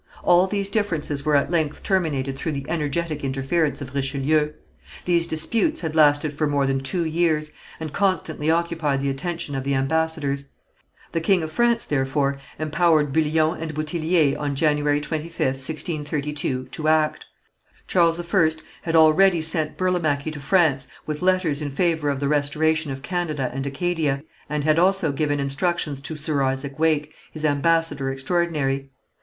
All these differences were at length terminated through the energetic interference of Richelieu. These disputes had lasted for more than two years, and constantly occupied the attention of the ambassadors. The king of France, therefore, empowered Bullion and Bouthillier on January 25th, 1632, to act. Charles I had already sent Burlamachi to France with letters in favour of the restoration of Canada and Acadia, and had also given instructions to Sir Isaac Wake, his ambassador extraordinary.